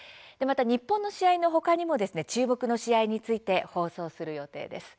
日本の試合の他にも注目の試合について放送する予定です。